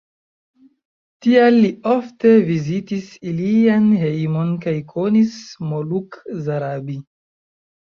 Tial li ofte vizitis ilian hejmon kaj konis Moluk Zarabi.